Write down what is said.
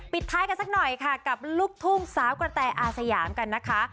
ท้ายกันสักหน่อยค่ะกับลูกทุ่งสาวกระแตอาสยามกันนะคะ